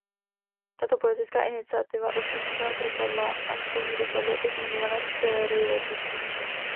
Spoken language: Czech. Tato politická iniciativa ovšem zcela propadla a stejně dopadlo i zmiňované periodikum.